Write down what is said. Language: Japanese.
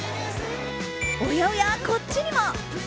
おやおや、こっちにも。